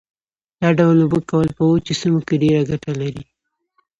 دا ډول اوبه کول په وچو سیمو کې ډېره ګټه لري.